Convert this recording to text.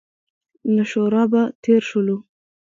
له شورابه تېر شولو.